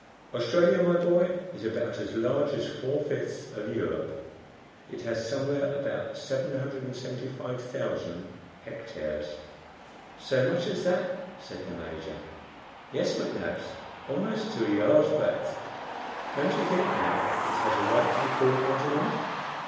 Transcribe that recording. "Australia, my boy, is about as large as four fifths of Europe. It has somewhere about 775,000 HECTARES." "So much as that?" said the Major. "Yes, McNabbs, almost to a yard's breadth. Don't you think now it has a right to be called a continent?"